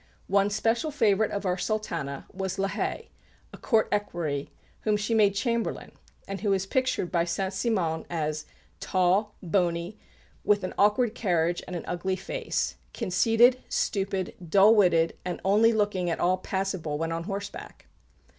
One special favourite of our Sultana was La Haye, a Court equerry, whom she made Chamberlain, and who is pictured by Saint Simon as "tall, bony, with an awkward carriage and an ugly face; conceited, stupid, dull witted, and only looking at all passable when on horseback."